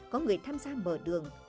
có người tham gia mở đường